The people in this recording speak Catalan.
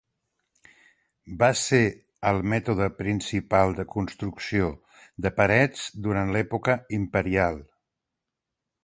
Va ser el mètode principal de construcció de parets durant l'època imperial.